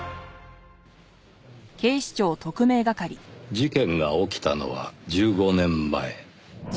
事件が起きたのは１５年前